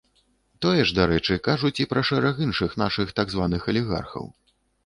Тое ж, дарэчы, кажуць і пра шэраг іншых нашых так званых алігархаў.